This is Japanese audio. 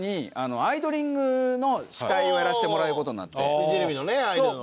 フジテレビのねアイドルの。